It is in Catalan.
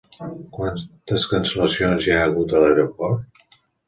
Quantes cancel·lacions hi ha hagut a l'aeroport?